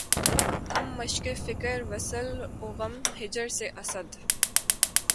ہم مشقِ فکر وصل و غم ہجر سے‘ اسد!